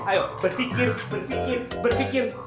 ayo berpikir berpikir berpikir